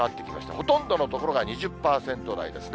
ほとんどの所が２０％台ですね。